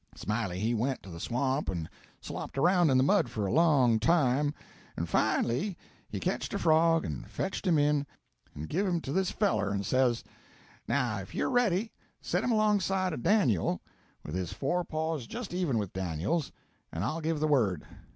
Smiley he went to the swamp and slopped around in the mud for a long time, and finally he ketched a frog and fetched him in and give him to this feller, and says: 'Now, if you're ready, set him alongside of Dan'l, with his fore paws just even with Dan'l's, and I'll give the word.'